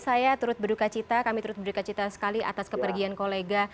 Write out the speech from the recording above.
saya turut berduka cita kami turut berduka cita sekali atas kepergian kolega